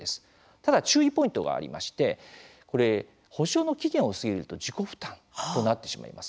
ただ、注意ポイントがありまして補償の期限を過ぎると自己負担となってしまいます。